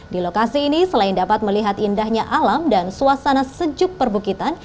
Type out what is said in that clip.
di lokasi ini selain dapat melihat indahnya alam dan suasana sejuk perbukitan